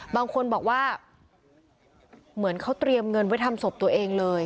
บางคนบอกว่าเหมือนเขาเตรียมเงินไว้ทำศพตัวเองเลย